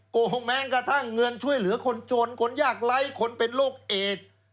โกงแม้งกระทั่งเงินช่วยเหลือคนจนคนยากไร้คนเป็นโรคเอด